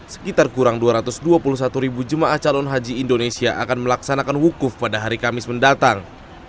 sekitar kurang dua ratus dua puluh satu ribu jemaah calon haji indonesia akan melaksanakan wukuf pada hari kamis mendatang